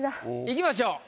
いきましょう。